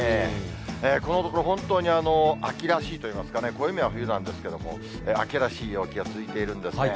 このところ、本当に秋らしいといいますかね、暦は冬なんですけれども、秋らしい陽気が続いているんですね。